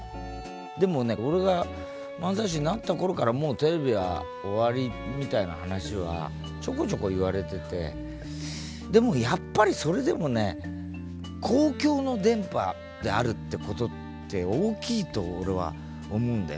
でもね俺が漫才師になった頃からもうテレビは終わりみたいな話はちょこちょこ言われててでもやっぱりそれでもね公共の電波であるってことって大きいと俺は思うんだよね。